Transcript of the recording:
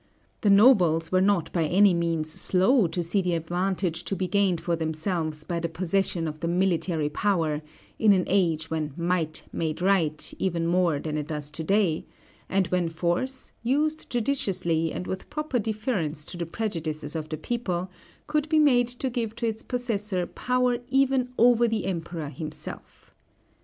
The nobles were not by any means slow to see the advantage to be gained for themselves by the possession of the military power in an age when might made right, even more than it does to day, and when force, used judiciously and with proper deference to the prejudices of the people, could be made to give to its possessor power even over the Emperor himself.